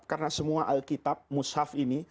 karena semua al kitab mus'haf ini